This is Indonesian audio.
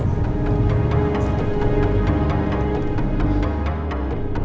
terima kasih pak